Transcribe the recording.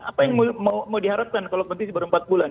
apa yang mau diharapkan kalau kompetisi baru empat bulan